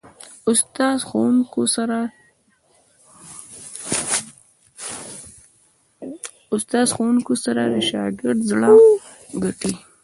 استاد د ښوونو سره د شاګرد زړه ګټي.